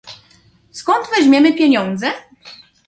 Skąd weźmiemy pieniądze?